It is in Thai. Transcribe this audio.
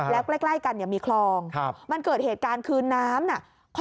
แล้วใกล้กันเนี่ยมีคลองมันเกิดเหตุการณ์คือน้ำน่ะ